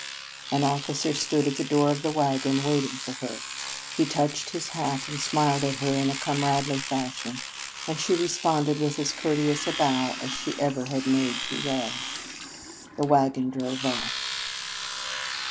An officer stood at the door of the wagon waiting for her. He touched his hat and smiled at her in a comradely fashion, and she responded with as courteous a bow as she ever had made to Ray. The wagon drove off.